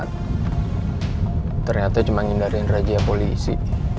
ternyata cuma ngindarin rajia polisi